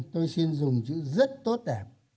tôi xin dùng chữ rất tốt đẹp